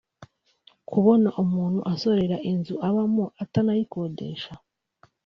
kubona umuntu asorera inzu abamo atanayikodesha